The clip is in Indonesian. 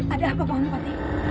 apa pak tih